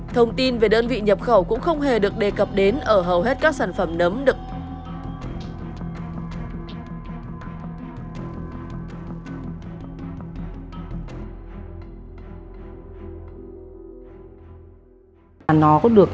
thông tin về đơn vị nhập khẩu cũng không hề được đề cập đến ở hầu hết các sản phẩm nấm được